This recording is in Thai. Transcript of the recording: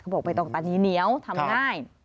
บอกใบตองตานีเหนียวทำง่าย